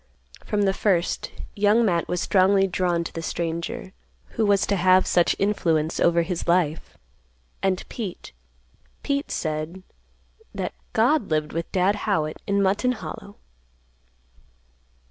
From the first Young Matt was strongly drawn to the stranger, who was to have such influence over his life, and Pete—Pete said that "God lived with Dad Howitt in Mutton Hollow."